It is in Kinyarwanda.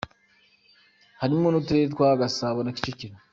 Harimo n’uturere twa Gasabo na Kicukiro.